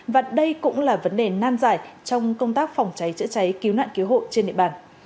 và đây cũng là vấn đề nan giải trong công tác phòng cháy chữa cháy cứu nạn cứu hộ trên địa bàn